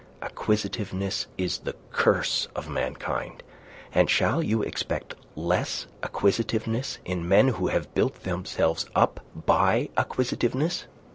Acquisitiveness is the curse of mankind. And shall you expect less acquisitiveness in men who have built themselves up by acquisitiveness?